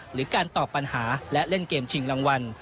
หรือการตอบปัญหาและเล่นเกมชิงรางวัล